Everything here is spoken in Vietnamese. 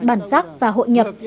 bản sắc và hội nhập